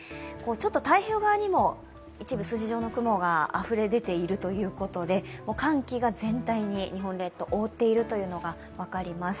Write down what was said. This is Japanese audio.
太平洋側にも一部、筋状の雲があふれ出ているということで寒気が全体に日本列島を覆っているのが分かります。